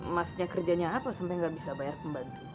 masnya kerjanya apa sampai gak bisa bayar pembantu